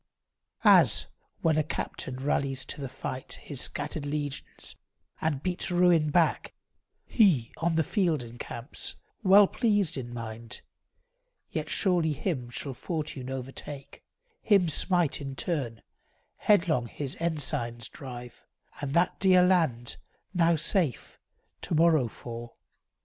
As when a captain rallies to the fight His scattered legions, and beats ruin back, He, on the field, encamps, well pleased in mind. Yet surely him shall fortune overtake, Him smite in turn, headlong his ensigns drive; And that dear land, now safe, to morrow fall.